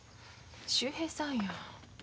秀平さんや。